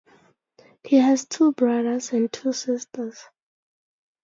He has two brothers and two sisters.